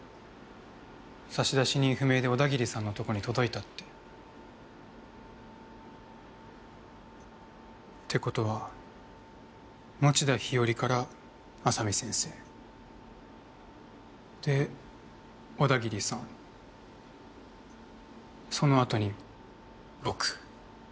差出人不明で小田桐さんのとこに届いたって。って事は田日和から浅海先生で小田桐さんそのあとに僕？